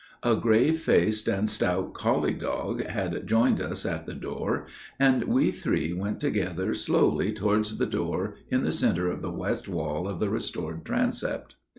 A grave faced and stout collie dog had joined us at the door, and we three went together slowly towards the door in the centre of the west wall of the restored transept.